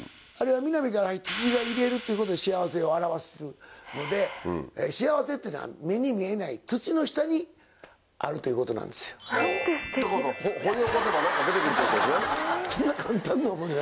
あれは「南」から「土」が入れるということで「幸せ」を表すので幸せっていうのは目に見えない土の下にあるということなんですよ。ってことは。